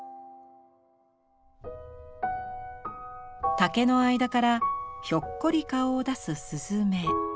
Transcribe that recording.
竹の間からひょっこり顔を出す雀。